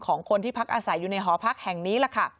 ของคนที่พักอาศัยอยู่ในหอพักแห่งนี้ล่ะค่ะ